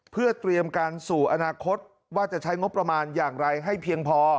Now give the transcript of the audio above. เพื่อเตรียมการสู่อนาคตว่าจะใช้งบประมาณอย่างไรให้เพียงพอ